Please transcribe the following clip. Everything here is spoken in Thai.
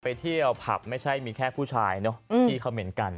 ไปเที่ยวผับไม่ใช่มีแค่ผู้ชายเนอะที่เขาเหม็นกัน